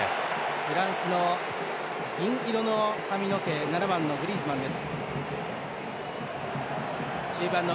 フランスの銀色の髪の毛７番のグリーズマンです。